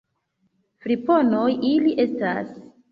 Friponoj ili estas!